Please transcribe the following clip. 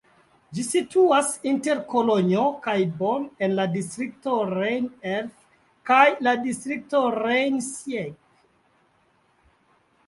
Ĝi situas inter Kolonjo kaj Bonn en la distrikto Rhein-Erft kaj la distrikto Rhein-Sieg.